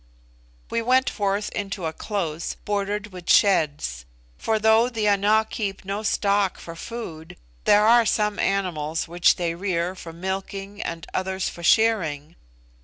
We went forth into a close, bordered with sheds; for though the Ana keep no stock for food, there are some animals which they rear for milking and others for shearing.